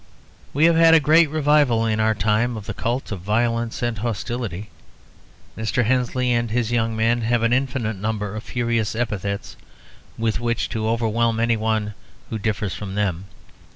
We have had a great revival in our time of the cult of violence and hostility. Mr. Henley and his young men have an infinite number of furious epithets with which to overwhelm anyone who differs from them.